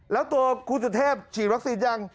แล้วตัวครูสุทธิพย์ฉีดวัคซีนยัง